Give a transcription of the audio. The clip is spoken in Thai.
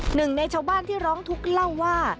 หนึ่งในชาวบ้านที่ร้องทุกข์เล่าว่า